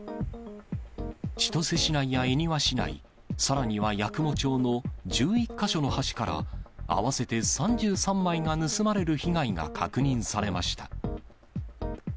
千歳市内や恵庭市内、さらには八雲町の１１か所の橋から、合わせて３３枚が盗まれる被害が確認されました。